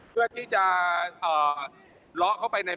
พี่เป้นเขาเรียกว่าอะไร